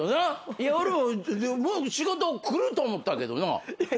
いや俺は仕事来ると思ったけどな。